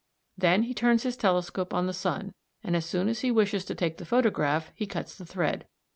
Then he turns his telescope on the sun, and as soon as he wishes to take the photograph he cuts the thread.